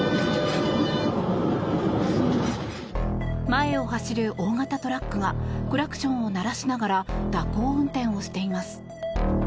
前を走る大型トラックがクラクションを鳴らしながら蛇行運転をしています。